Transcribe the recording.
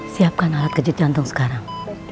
siapkan alat kejadian dong sekarang